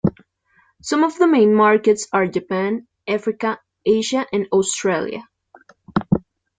Some of the main markets are Japan, Africa, Asia and Australia.